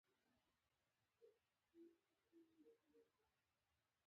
د سفارت عاجل شمېرې له ځان سره ثبت کړه.